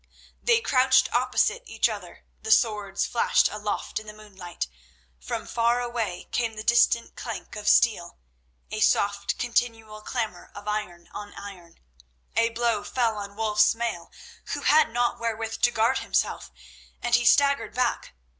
They crouched opposite each other, the swords flashed aloft in the moonlight; from far away came the distant clank of steel, a soft, continual clamour of iron on iron. A blow fell on Wulf's mail, who had nought wherewith to guard himself, and he staggered back.